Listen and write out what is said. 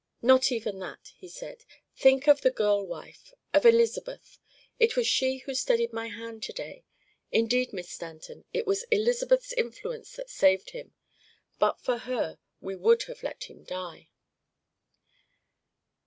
"Not even that," he said. "Think of the girl wife of Elizabeth. It was she who steadied my hand to day. Indeed, Miss Stanton, it was Elizabeth's influence that saved him. But for her we would have let him die."